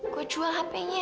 gue jual handphonenya